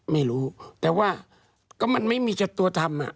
ไม่รู้แต่ว่าก็มันไม่มีชัดตัวธรรมอ่ะ